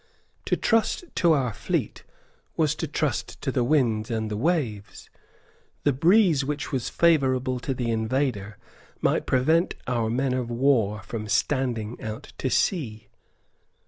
To trust to our fleet was to trust to the winds and the waves. The breeze which was favourable to the invader might prevent our men of war from standing out to sea.